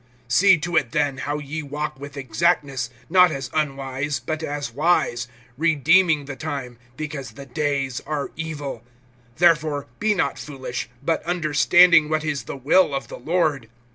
(15)See to it then, how ye walk with exactness, not as unwise, but as wise, (16)redeeming the time, because the days are evil. (17)Therefore be not foolish, but understanding what is the will of the Lord.